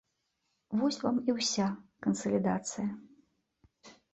Вось вам і ўся кансалідацыя.